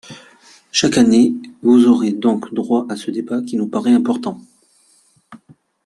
Chaque année, vous aurez donc droit à ce débat qui nous paraît important.